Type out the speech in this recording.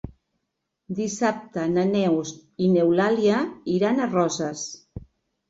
Dissabte na Neus i n'Eulàlia iran a Roses.